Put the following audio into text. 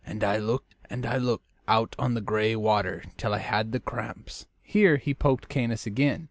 "And I looked and I looked out on the gray water till I had the cramps." Here he poked Caius again.